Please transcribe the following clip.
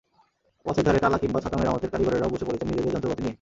পথের ধারে তালা কিংবা ছাতা মেরামতের কারিগরেরাও বসে পড়েছেন নিজেদের যন্ত্রপাতি নিয়ে।